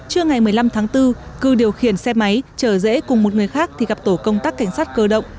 hôm một mươi năm tháng bốn cư điều khiển xe máy chở rễ cùng một người khác thì gặp tổ công tắc cảnh sát cơ động